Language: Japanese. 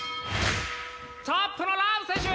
トップのラム選手